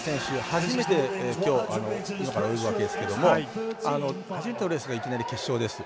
初めて、きょう今から泳ぐわけですけども初めてのレースがいきなり決勝レース。